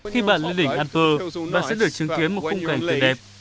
khi bạn lên đỉnh alper bạn sẽ được chứng kiến một khung cảnh tươi đẹp